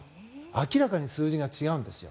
明らかに数字が違うんですよ。